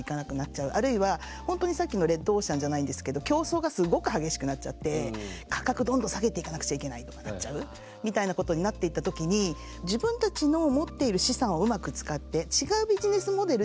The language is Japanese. あるいはホントにさっきのレッドオーシャンじゃないんですけど競争がすっごく激しくなっちゃって価格どんどん下げていかなくちゃいけないとかなっちゃうみたいなことになっていった時にバスケでも使うあの